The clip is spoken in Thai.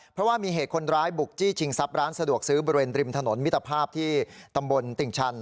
เพราะว่ามีเหตุคนร้ายบุกจี้ชิงทรัพย์ร้านสะดวกซื้อบริเวณริมถนนมิตรภาพที่ตำบลติ่งชัน